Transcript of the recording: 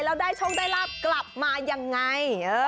แล้วได้ช่องได้รับกลับมาอย่างไร